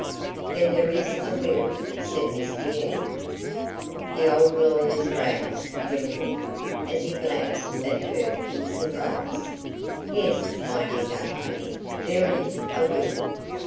"Then there is a will?" said Miss D'Enghien. The old lawyer's brows wrinkled, as he glanced at her in surprise. "Yes, my dear young lady, there is a will."